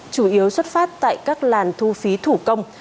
chủ yếu xuất phát tại các làn thu phí thủ công